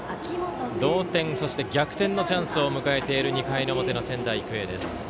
同点、そして逆転のチャンスを迎えている２回の表の仙台育英。